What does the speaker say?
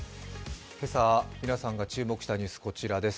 今朝、皆さんが注目したニュース、こちらです。